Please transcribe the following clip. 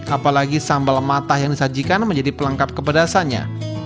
apalagi sambal matah yang disajikan menjadi pelengkap kepedasannya